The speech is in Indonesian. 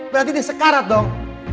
berarti dia sekarat dong